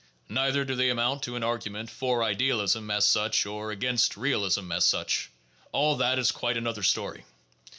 Neither do they amount to an argument for idealism as such or against realism as such. All that is quite another story.